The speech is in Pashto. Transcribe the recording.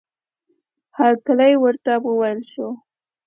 هرکلی ورته وویل شو.